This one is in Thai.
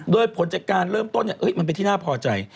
โดยผลจากการเริ่มต้นมันเป็นที่น่าพอใจ